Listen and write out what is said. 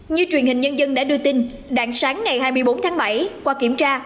như truyền hình nhân dân đã đưa tin đạn sáng ngày hai mươi bốn tháng bảy qua kiểm tra